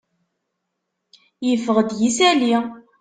Yeffeɣ-d yisali.